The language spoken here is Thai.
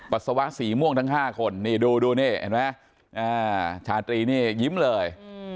ปัสสาวะสีม่วงทั้ง๕คนนี่ดูนี่เห็นไหมชาตรีนี่ยิ้มเลย